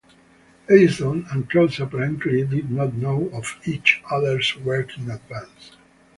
Edison and Cros apparently did not know of each other's work in advance.